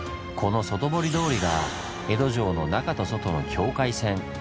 この外堀通りが江戸城の中と外の境界線。